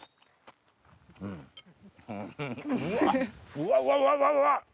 うわっうわわわ！